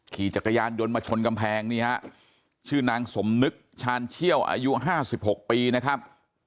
ขี่จักรยานยนต์มาชนกำแพงนี่ฮะชื่อนางสมนึกชาญเชี่ยวอายุ๕๖ปีนะครับ